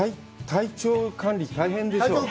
体調管理大変でしょう。